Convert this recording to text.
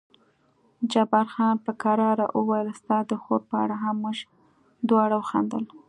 جبار خان په کرار وویل ستا د خور په اړه هم، موږ دواړو وخندل.